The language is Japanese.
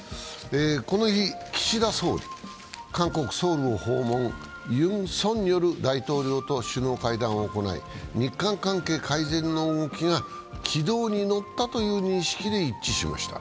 この日、岸田総理、韓国ソウルを訪問、ユン・ソンニョル大統領と首脳会談を行い、日韓関係改善の動きが軌道に乗ったという認識で一致しました。